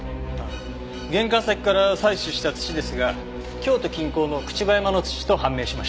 玄関先から採取した土ですが京都近郊の朽葉山の土と判明しました。